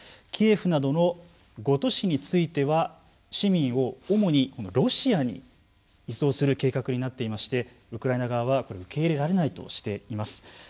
キエフなどの５都市については市民を主にロシアに移送する計画になっていましてウクライナ側はこれは受け入れられないとしています。